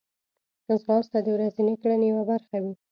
ځغاسته د ورځنۍ کړنې یوه برخه وي